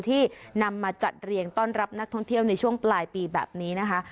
ที่นำมาจัดเรียงต้อนรับนักท่องเที่ยวในช่วงปลายปีแบบนี้นะคะ